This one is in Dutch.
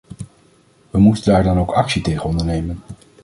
We moeten daar dan ook actie tegen ondernemen.